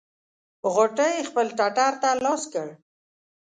غوټۍ خپل ټټر ته لاس کړ.